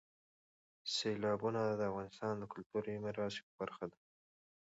سیلابونه د افغانستان د کلتوري میراث یوه برخه ده.